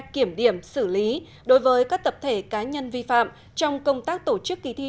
kiểm điểm xử lý đối với các tập thể cá nhân vi phạm trong công tác tổ chức kỳ thi